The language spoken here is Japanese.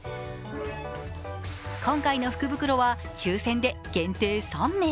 今回の福袋は抽選で限定３名。